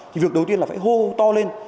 thì việc đầu tiên là phải hô to lên